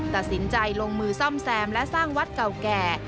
ตัดสินใจลงมือซ่อมแซมและสร้างวัดเก่าแก่